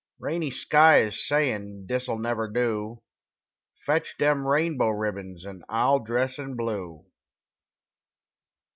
Rainy Sky is sayin', "Dis'll never do! Fetch dem rainbow ribbons, En I'll dress in blue!"